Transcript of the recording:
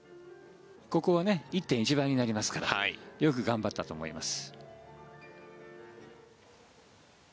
ここは１．１倍になりますからよく頑張ったと思います。